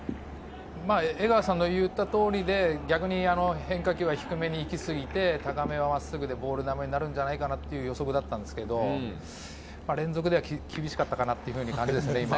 江川さんの言った通りで、逆に変化球は低めに行き過ぎて、高めは真っすぐでボール球になるんじゃないかなっていう予測だったんですけど、連続では厳しかったかなって思います、今は。